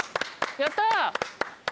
やった。